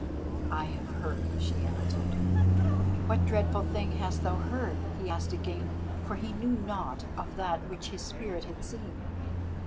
"I have heard," she answered. "What dreadful thing hast thou heard?" he asked again, for he knew naught of that which his Spirit had seen.